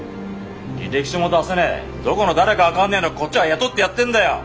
履歴書も出せねえどこの誰か分かんねえのこっちは雇ってやってんだよ。